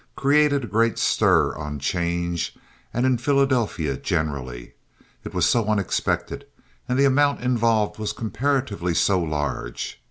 created a great stir on 'change and in Philadelphia generally. It was so unexpected, and the amount involved was comparatively so large.